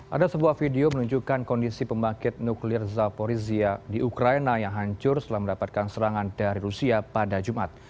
ada sebuah video menunjukkan kondisi pembangkit nuklir zaporizia di ukraina yang hancur setelah mendapatkan serangan dari rusia pada jumat